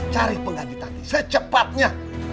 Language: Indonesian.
cari pengganti tanti secepatnya